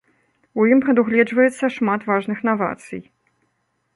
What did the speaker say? У ім прадугледжваецца шмат важных навацый.